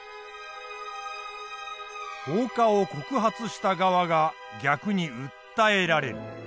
放火を告発した側が逆に訴えられる。